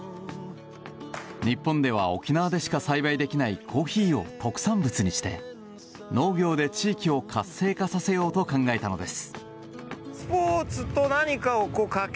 日本では沖縄でしか栽培できないコーヒーを特産物にして農業で地域を活性化させようと考えたのです。